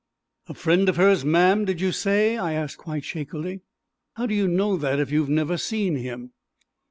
"A friend of hers, ma'am, did you say?" I asked quite shakily. "How do you know that, if you have never seen him?"